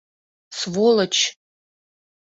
— Сволочь!..